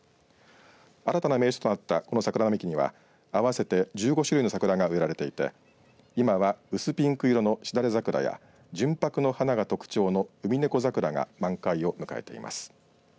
新たな名所となったこの桜並木には合わせて１５種類の桜が植えられていて今は薄ピンク色のしだれ桜や純白の花が特徴のウミネコ桜が満開を迎えています。